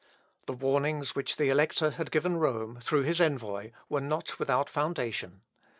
The warnings which the Elector had given Rome, through his envoy, were not without foundation.